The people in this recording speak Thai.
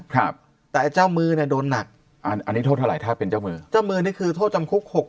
ครับแต่ว่าเจ้ามือในโดนหนักอันนี้โทษอะไรถ้าเป็นเจ้ามือจะมือนี่ถือโทษจำคุก